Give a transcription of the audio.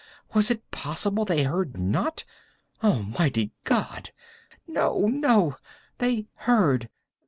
Was it possible they heard not? Almighty God!—no, no! They heard!